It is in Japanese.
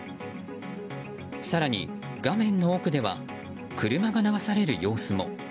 更に画面の奥では車が流される様子も。